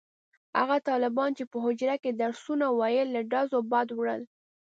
هغه طالبانو چې په حجره کې درسونه ویل له ډزو بد وړل.